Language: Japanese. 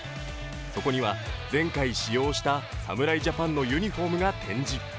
そこには前回使用した侍ジャパンのユニフォームが展示。